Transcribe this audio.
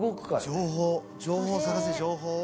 情報情報を探せ情報を。